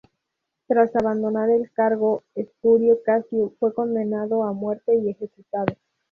Tras abandonar el cargo, Espurio Casio fue condenado a muerte y ejecutado.